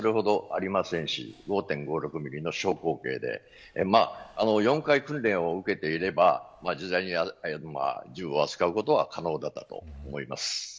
反動もそれほどありませんし５．５６ミリの小口径で４回訓練を受けていれば自在に銃を扱うことは可能だったと思います。